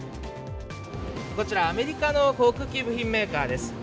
こちら、アメリカの航空機部品メーカーです。